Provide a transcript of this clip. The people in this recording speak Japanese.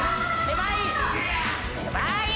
狭い！